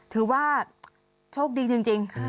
ถือว่าโชคดีจริง